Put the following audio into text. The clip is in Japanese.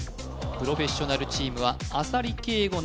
プロフェッショナルチームは浅利圭吾